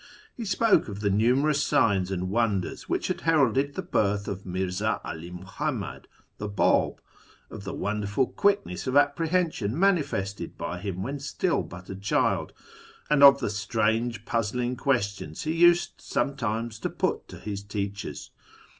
He spoke of the numerous signs and wonders which had heralded the birth of Mirza 'All Muhammad, the Bab ; of the wonderful quickness of apprehen sion manifested by him when still but a child ; and of the strange puzzling questions he used sometimes to put to his teachers.